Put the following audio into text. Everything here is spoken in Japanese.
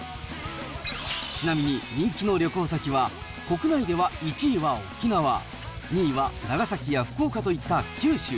ちなみに、人気の旅行先は、国内では１位は沖縄、２位は長崎や福岡といった九州。